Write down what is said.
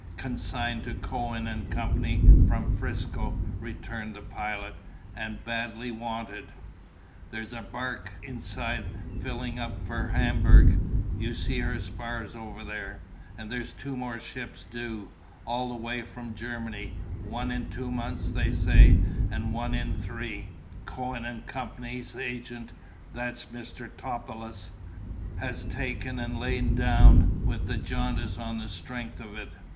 "Consigned to Cohen and Co., from 'Frisco," returned the pilot, "and badly wanted. There's a barque inside filling up for Hamburg you see her spars over there; and there's two more ships due, all the way from Germany, one in two months, they say, and one in three; Cohen and Co.'s agent (that's Mr. Topelius) has taken and lain down with the jaundice on the strength of it.